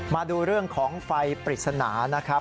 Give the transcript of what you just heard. มาดูเรื่องของไฟปริศนานะครับ